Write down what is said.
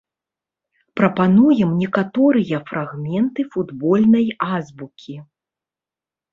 Прапануем некаторыя фрагменты футбольнай азбукі.